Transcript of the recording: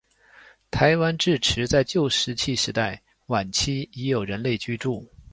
台湾至迟在旧石器时代晚期已有人类居住。